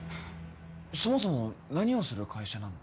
そもそも何をする会社なの？